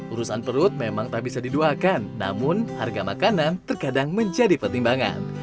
urusan perut memang tak bisa didoakan namun harga makanan terkadang menjadi pertimbangan